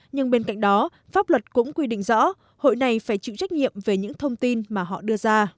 nhưng bên cạnh đó pháp luật cũng quy định rõ hội này phải chịu trách nhiệm về những thông tin mà họ đưa ra